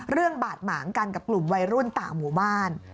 บาดหมางกันกับกลุ่มวัยรุ่นต่างหมู่บ้าน